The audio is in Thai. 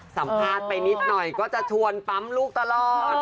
สัมภาษณ์ไปนิดหน่อยก็จะชวนปั๊มลูกตลอด